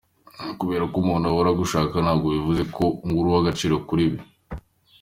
Kubera ko umuntu ahora agushaka ntabwo bivuze ko ngo uri uw’agaciro kuri we.